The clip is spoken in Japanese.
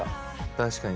確かに。